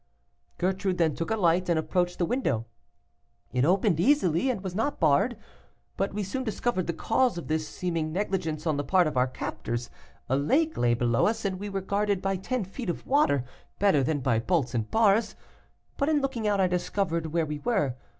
"Gertrude then took a light, and approached the window. It opened easily, and was not barred; but we soon discovered the cause of this seeming negligence on the part of our captors. A lake lay below us, and we were guarded by ten feet of water better than by bolts and bars. But in looking out I discovered where we were.